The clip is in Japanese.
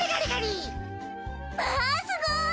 まあすごい！